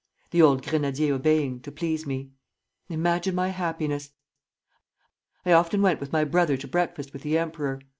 the old grenadier obeying, to please me. Imagine my happiness! I often went with my brother to breakfast with the emperor.